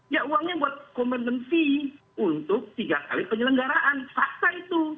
ya uangnya buat comment fee untuk tiga kali penyelenggaraan fakta itu